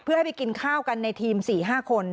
เพื่อให้ไปกินข้าวกันในทีม๔๕คน